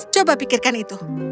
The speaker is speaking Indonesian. coba pikirkan itu